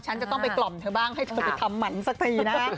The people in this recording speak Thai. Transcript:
ฉันจะต้องไปกล่อมเธอบ้างให้เธอไปทำหมันสักทีนะ